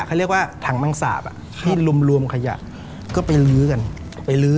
เขาเรียกว่าถังมังสาปที่รวมขยะก็ไปลื้อกันไปลื้อ